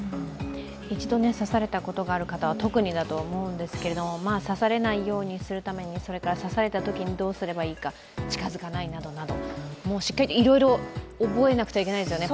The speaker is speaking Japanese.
一度、刺されたことがある方は特にだと思うんですが刺されないようにするために、刺されたときにどうするか、近づかないなどなど、いろいろ覚えなくてはいけないですよね。